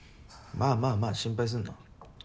まあまあまあ心配すんな。